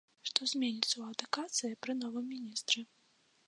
Што зменіцца ў адукацыі пры новым міністры.